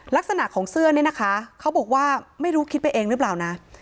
ลักษณะของเสื้อเนี่ยนะคะเขาบอกว่าไม่รู้คิดไปเองหรือเปล่านะ